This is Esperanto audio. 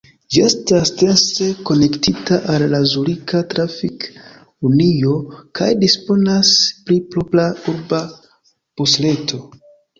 Ĝi estas dense konektita al la Zurika Trafik-Unio kaj disponas pri propra urba busreto.